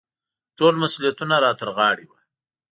ټول مسوولیتونه را ترغاړې وو.